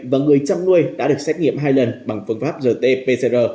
và người chăn nuôi đã được xét nghiệm hai lần bằng phương pháp rt pcr